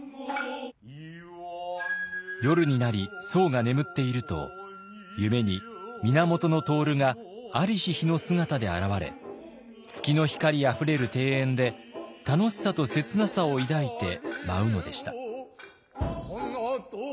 夜になり僧が眠っていると夢に源融が在りし日の姿で現れ月の光あふれる庭園で楽しさと切なさを抱いて舞うのでした。